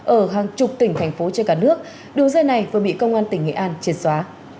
ở hàng chục tỉnh thành phố trên cả nước đường dây này vừa bị công an tỉnh nghệ an triệt xóa